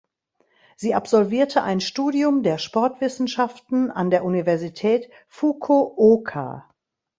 Sie absolvierte ein Studium der Sportwissenschaften an der Universität Fukuoka.